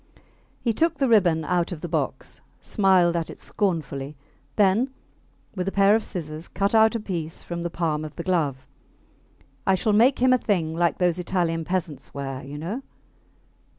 He took the ribbon out of the box, smiled at it scornfully, then with a pair of scissors cut out a piece from the palm of the glove. I shall make him a thing like those Italian peasants wear, you know.